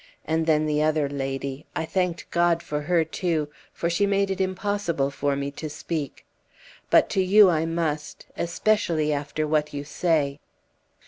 And then the other lady I thanked God for her too for she made it impossible for me to speak. But to you I must ... especially after what you say."